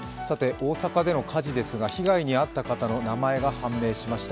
大阪での火事ですが、被害に遭った方の名前が判明しました。